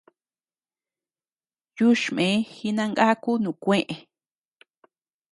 Yuchme jinangaku nukuee.